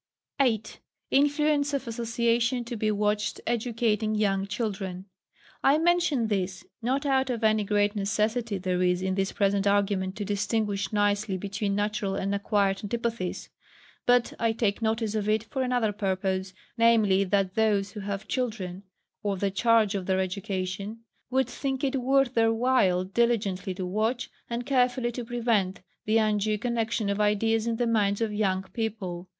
8. Influence of association to be watched educating young children. I mention this, not out of any great necessity there is in this present argument to distinguish nicely between natural and acquired antipathies; but I take notice of it for another purpose, viz. that those who have children, or the charge of their education, would think it worth their while diligently to watch, and carefully to prevent the undue connexion of ideas in the minds of young people.